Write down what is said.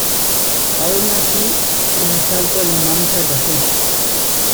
Aun así, el asalto alemán fracasó.